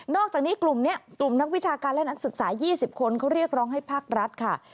อกจากนี้กลุ่มนี้กลุ่มนักวิชาการและนักศึกษา๒๐คนเขาเรียกร้องให้ภาครัฐค่ะ